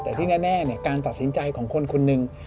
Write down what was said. แต่ที่แน่การตัดสินใจของคนคนหนึ่ง